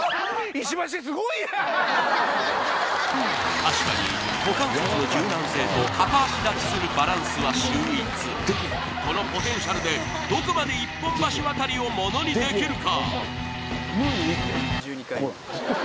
確かに股関節の柔軟性と片足立ちするバランスは秀逸このポテンシャルでどこまで一本橋渡りをものにできるか？